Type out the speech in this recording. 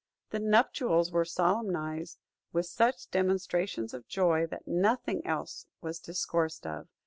The nuptials were solemnized with such demonstrations of joy, that nothing else was discoursed of.